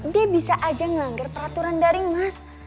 dia bisa aja ngangger peraturan dari mas